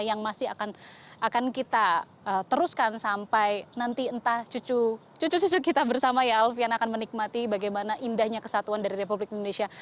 yang masih akan kita teruskan sampai nanti entah cucu cucu kita bersama ya alfian akan menikmati bagaimana indahnya kesatuan dari republik indonesia